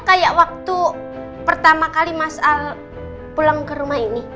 kayak waktu pertama kali mas al pulang ke rumah ini